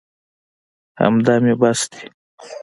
همدا مې بس دي.